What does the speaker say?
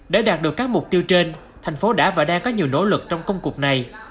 để đạt được các mục tiêu trên thành phố đã và đang có nhiều nỗ lực trong công cuộc này